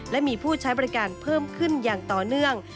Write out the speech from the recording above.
และมีผู้ใช้บริการเพิ่มขึ้นอย่างต่อเนื่อง